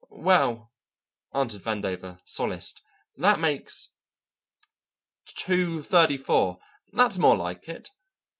"Well," answered Vandover, solaced, "that makes two thirty four; that's more like it.